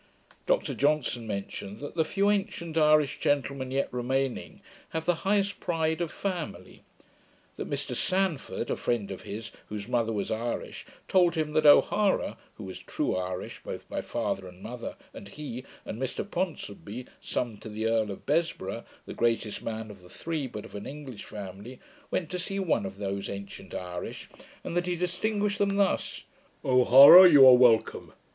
Dr Johnson mentioned, that the few ancient Irish gentlemen yet remaining have the highest pride of family; that Mr Sandford, a friend of his, whose mother was Irish, told him, that O'Hara (who was true Irish, both by father and mother) and he, and Mr Ponsonby, son to the Earl of Besborough, the greatest man of the three, but of an English family, went to see one of those ancient Irish, and that he distinguished them thus: 'O'Hara, you are welcome!